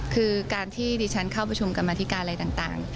คือการที่ดิฉันเข้าประชุมกรรมธิการอะไรต่าง